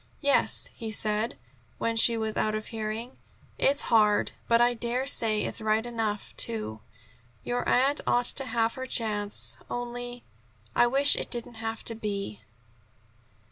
"Yes," he said, when she was out of hearing. "It's hard, but I dare say it's right enough, too. Your aunt ought to have her chance. Only I wish it didn't have to be."